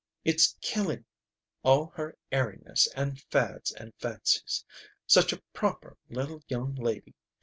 It's killing all her airiness and fads and fancies. Such a proper little young lady.